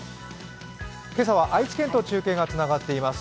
今朝は愛知県と中継がつながっています。